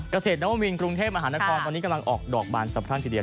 กระเศษนวมวินกรุงเทพฯอาหารณทรตอนนี้กำลังออกดอกบานสัพท่านทีเดียว